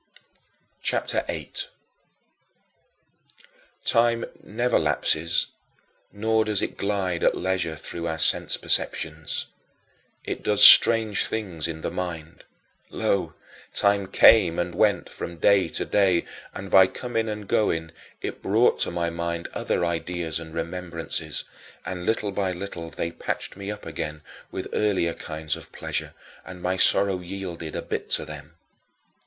CHAPTER VIII 13. Time never lapses, nor does it glide at leisure through our sense perceptions. It does strange things in the mind. Lo, time came and went from day to day, and by coming and going it brought to my mind other ideas and remembrances, and little by little they patched me up again with earlier kinds of pleasure and my sorrow yielded a bit to them.